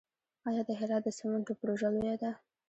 آیا د هرات د سمنټو پروژه لویه ده؟